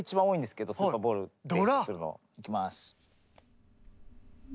いきます。